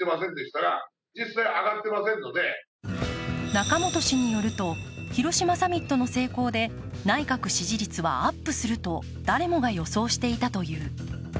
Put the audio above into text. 中本氏によると広島サミットの成功で内閣支持率はアップすると誰もが予想していたという。